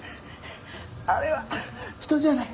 あれは人じゃない。